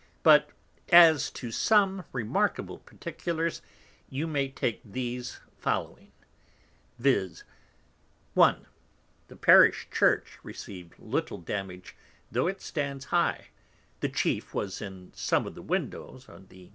But as to some remarkable Particulars, you may take these following, viz. 1. The Parish Church receiv'd little damage, tho' it stands high, the chief was in some of the Windows on the N.